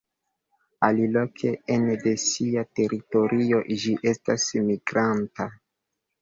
Aliloke ene de sia teritorio ĝi estas migranta.